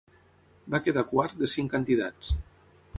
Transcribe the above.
Va quedar quart de cinc candidats.